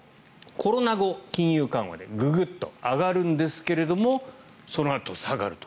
コロナ後、金融緩和でググッと上がるんですけれどそのあと下がると。